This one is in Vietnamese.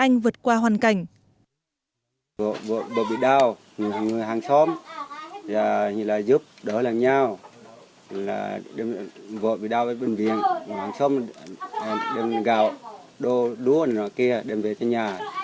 nhưng anh vượt qua hoàn cảnh